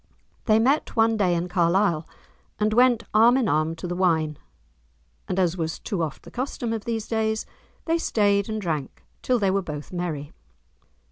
They met one day in Carlisle, and went arm in arm to the wine, and, as was too oft the custom of these days, they stayed and drank till they were both merry.